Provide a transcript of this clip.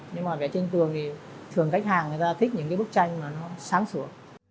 nhưng mà vẽ trên tường thì thường khách hàng người ta thích những cái bức tranh mà nó sáng sủa